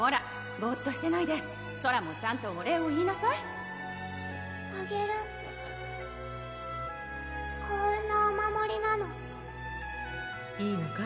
ぼうっとしてないでソラもちゃんとお礼を言いなさいあげる幸運のお守りなのいいのか？